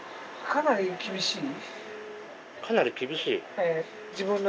かなり厳しい？